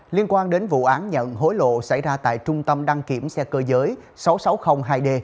liên quan đến vụ án nhận hối lộ xảy ra tại trung tâm đăng kiểm xe cơ giới sáu nghìn sáu trăm linh hai d